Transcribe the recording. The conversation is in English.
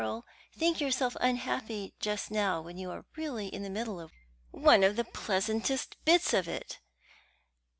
Oh, Elspeth, you think yourself unhappy just now when you are really in the middle of one of the pleasantest bits of it!